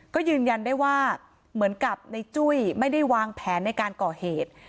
ก็ยืนยันได้ว่าเหมือนกับในจุ้ยไม่ได้วางแผนในการก่อเหตุ